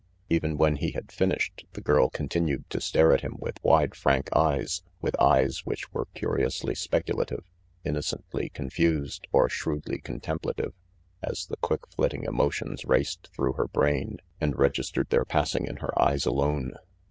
Even when he had finished, the girl continued to stare at him with wide, frank eyes, with eyes which were curiously speculative, inno cently confused, or shrewdly contemplative, as the quick flitting emotions raced through her brain and registered their passing in her eyes alone.